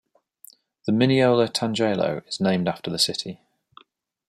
The Minneola tangelo is named after the city.